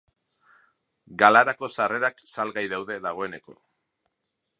Galarako sarrerak salgai daude dagoeneko.